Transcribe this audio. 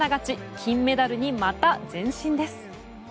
金メダルに、また前進です。